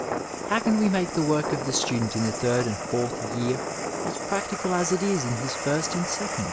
How can we make the work of the student in the third and fourth year as practical as it is in his first and second